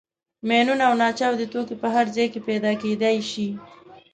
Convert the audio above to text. ماینونه او ناچاودي توکي په هر ځای کې پیدا کېدای شي.